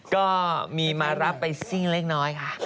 ก็มีมารับไปซิ่งเล็กน้อยค่ะ